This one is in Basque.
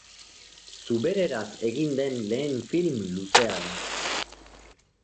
Zubereraz egin den lehen film luzea da.